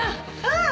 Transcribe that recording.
ああ！